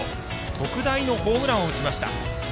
特大のホームランを打ちました。